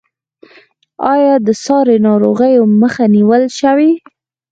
آیا د ساري ناروغیو مخه نیول شوې؟